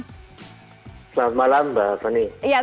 selamat malam mbak fani